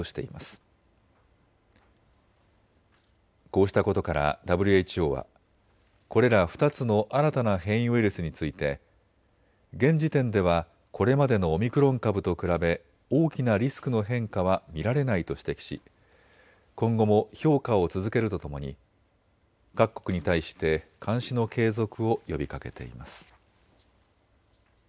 こうしたことからＷＨＯはこれら２つの新たな変異ウイルスについて現時点ではこれまでのオミクロン株と比べ大きなリスクの変化は見られないと指摘し今後も評価を続けるとともに各国に対して監視の継続を呼びかけています。